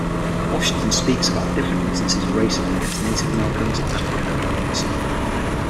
Washington speaks about different instances of racism against Native Americans and African Americans.